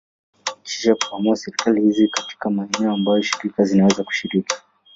Kisha kuamua serikali hizi katika maeneo ambayo shirika zinaweza kushiriki.